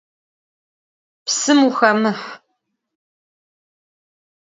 Psım vuxemıh!